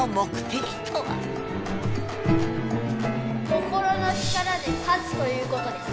「心の力」で勝つということです。